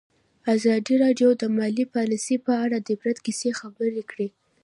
ازادي راډیو د مالي پالیسي په اړه د عبرت کیسې خبر کړي.